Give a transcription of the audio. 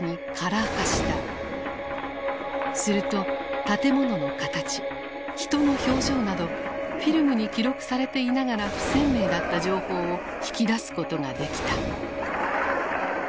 すると建物の形人の表情などフィルムに記録されていながら不鮮明だった情報を引き出すことができた。